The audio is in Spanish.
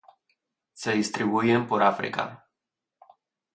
Se distribuyen por África.